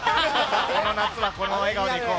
この夏はこの笑顔でいこう。